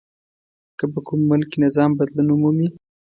که په کوم ملک کې نظام بدلون ومومي.